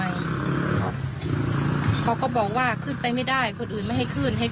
และที่สำคัญก็มีอาจารย์หญิงในอำเภอภูสิงอีกเหมือนกัน